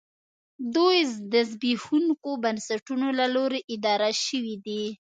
دوی د زبېښونکو بنسټونو له لوري اداره شوې دي